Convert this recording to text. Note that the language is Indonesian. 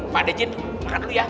pak dejin makan dulu ya